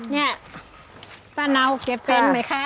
นี่ป้าเนาเก็บเป็นไหมคะ